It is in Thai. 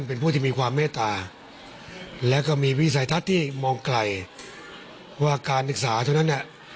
เป็นผู้ที่มีความเมตตาและก็มีวิสัยทัศน์ที่มองไกลว่าการศึกษาจริง